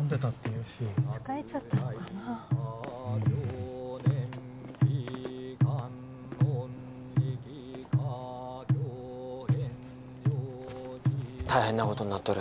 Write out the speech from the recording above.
・うん大変なことになっとる